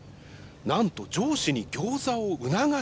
なんと上司にギョーザを促した。